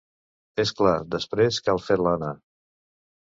És clar: després cal fer-la anar.